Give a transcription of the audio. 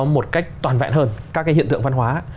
một cách toàn vẹn hơn các cái hiện tượng văn hóa